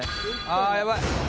「あやばい！」